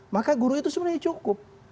maka guru itu sebenarnya cukup